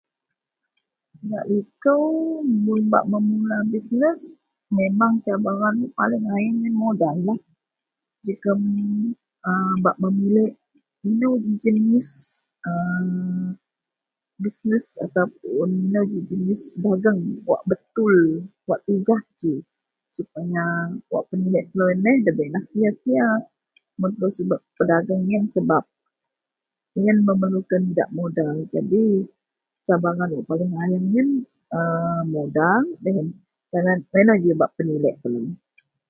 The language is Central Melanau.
Gak liko mun bak memula bisnes memeng cabaran paling ayeang modal lah jegem a bak memiliek ino ji jenis a bisnes atau puon ino ji dageang wak betul wak tigah ji wak peniliek telo neh nda lah bei sia sia mun telo pedageng iyen sebab iyen memerlu idak modal jadi cabaran yang paling ayeang a modal wak ino ji bak peniliek telo.